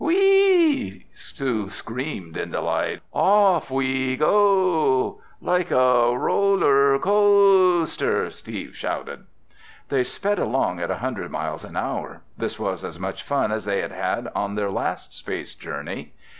"Wheeeeee!" Sue screamed in delight. "Offffffffff weeeeeeee goooooooooo!" "Like a rooooller cooooster!" Steve shouted. They sped along at a hundred miles an hour. This was as much fun as they had had on their last space journey.